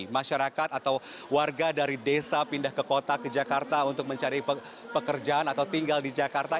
masyarakat atau warga dari desa pindah ke kota ke jakarta untuk mencari pekerjaan atau tinggal di jakarta